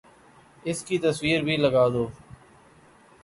اس کی تصویر بھی لگا دو